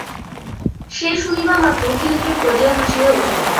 সে শুনিবামাত্র খিল খিল করিয়া হাসিয়া উঠিল।